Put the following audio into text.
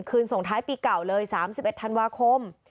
ส่งท้ายปีเก่าเลย๓๑ธันวาคม